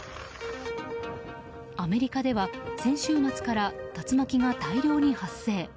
アメリカでは先週末から竜巻が大量に発生。